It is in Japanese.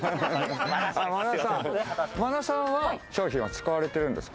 真野さんは商品は使われてるんですか？